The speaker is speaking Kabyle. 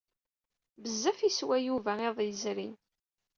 Bezzaf i yeswa Yuba iḍ yezrin.